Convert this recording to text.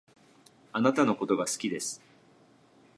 あなたのことが好きです